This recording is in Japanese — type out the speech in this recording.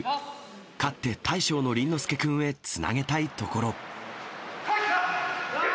勝って大将の倫之亮君へつなげたいところ。